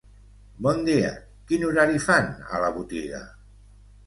Bon dia, quin horari fan a la botiga?